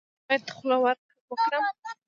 ایا زه باید خوله وکړم؟